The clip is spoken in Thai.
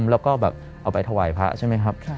แล้วก็แบบเอาไปถวายพระใช่ไหมครับ